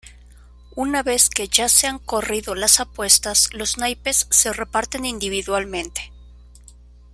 Una vez que ya se han corrido las apuestas, los naipes se reparten individualmente.